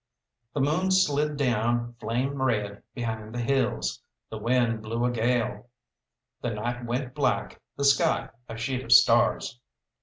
The moon slid down flame red behind the hills, the wind blew a gale, the night went black, the sky a sheet of stars.